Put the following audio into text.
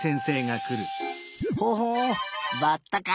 ほほうバッタか。